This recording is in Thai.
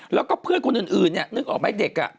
แล้วก็เพื่อนคนอื่นเนี่ยนึกออกไหมเด็ก